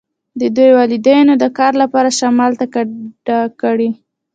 د دوی والدینو د کار لپاره شمال ته کډه کړې